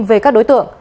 về các đối tượng